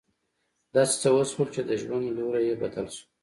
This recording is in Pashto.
داسې څه وشول چې د ژوند لوری يې بدل شو.